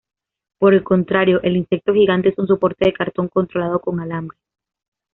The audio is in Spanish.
Por el contrario, el insecto gigante es un soporte de cartón controlado con alambre.